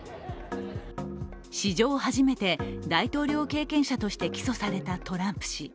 史上初めて、大統領経験者として起訴されたトランプ氏。